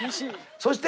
そして？